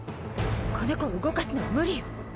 この子を動かすのは無理よ。